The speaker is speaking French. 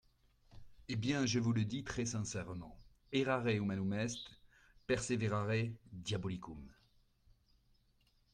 Eh bien, je vous le dis très sincèrement, errare humanum est, perseverare diabolicum.